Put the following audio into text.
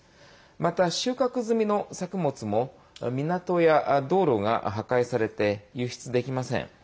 また、収穫済みの作物も港や道路が破壊されて輸出できません。